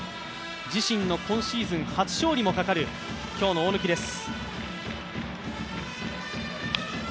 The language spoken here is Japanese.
自身の今シーズン初勝利もかかる今日の大貫です。